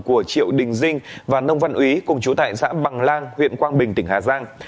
của triệu đình dinh và nông văn úy cùng chú tại xã bằng lang huyện quang bình tỉnh hà giang